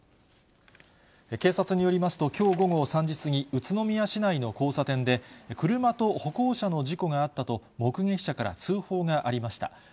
警察によりますと、きょう午後３時過ぎ、宇都宮市内の交差点で、車と歩行者の事故があったと、目撃者から通報がありました。